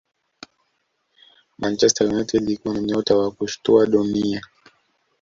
manchester united ilikuwa na nyota wa kushtua dunia